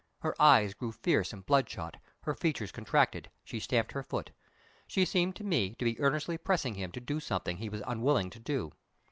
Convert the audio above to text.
Her eyes grew fierce and bloodshot, her features contracted, she stamped her foot. She seemed to me to be earnestly pressing him to do something he was unwilling to do.